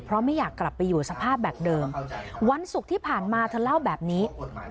เพราะไม่อยากกลับไปอยู่สภาพแบบเดิมวันศุกร์ที่ผ่านมาเธอเล่าแบบนี้